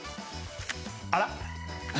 あら？